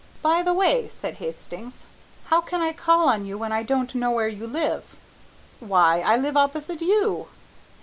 "By the way," said Hastings, "how can I call on you when I don't know where you live?" "Why, I live opposite you."